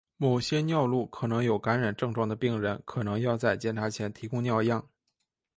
某些尿路可能有感染症状的病人可能要在检查前提供尿样。